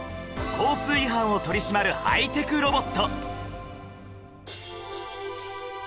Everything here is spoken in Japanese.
交通違反を取り締まるハイテクロボット